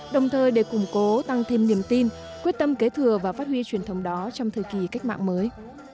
đồng thời để củng cố tăng thêm niềm tin quyết tâm kế thừa và phát huy truyền thống đó trong thời kỳ cách mạng mới